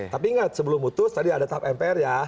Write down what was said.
tapi ingat sebelum mutus tadi ada tahap mpr